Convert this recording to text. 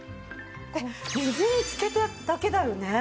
水につけただけだよね？